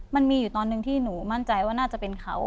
มันมีอยู่ตอนหนึ่งที่หนูมั่นใจว่าน่าจะเป็นเขา